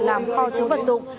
làm kho chống vật dụng